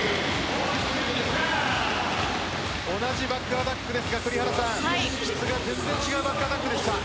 同じバックアタックですが質が全然違うバックアタックでした。